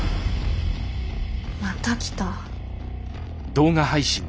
また来た。